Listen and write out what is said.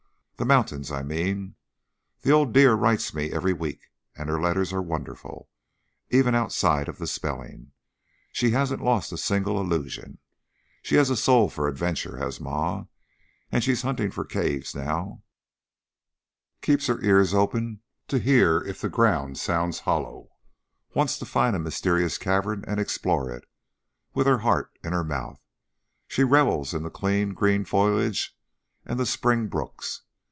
The mountains, I mean. The old dear writes me every week, and her letters are wonderful, even outside of the spelling. She hasn't lost a single illusion. She has a soul for adventure, has Ma; she's hunting for caves now keeps her ears open to hear if the ground sounds hollow; wants to find a mysterious cavern and explore it, with her heart in her mouth. She revels in the clean, green foliage and the spring brooks.